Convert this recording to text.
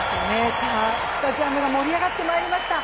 スタジアムが盛り上がってまいりました。